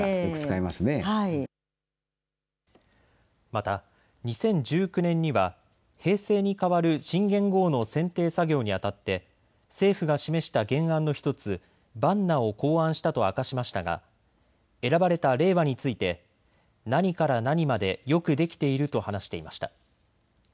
また２０１９年には平成に代わる新元号の選定作業にあたって政府が示した原案の１つ、万和を考案したと明かしましたが選ばれた令和について何から何までよくできていると話していました。